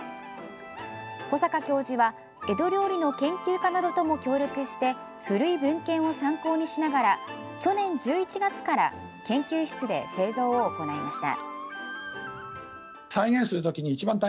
穂坂教授は料理研究家などとも協力して古い文献を参考にしながら去年１１月から研究室で製造を行いました。